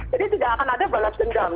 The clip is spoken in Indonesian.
jadi tidak akan ada balas dendam